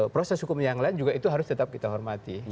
proses hukum yang lain juga itu harus tetap kita hormati